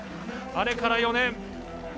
あれから４年。